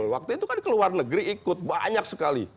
waktu itu kan dikeluar negeri ikut banyak sekali